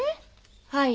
はい。